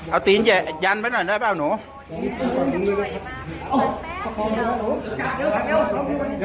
เอาตีนยันแบบน้อยได้ป่ะหนู